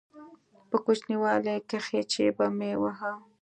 په کوچنيوالي کښې چې به مې واهه.